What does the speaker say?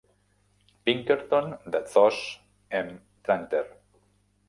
Pinkerton de Thos M. Tranter.